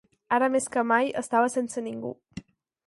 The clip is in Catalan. Ara més que mai estava sense ningú.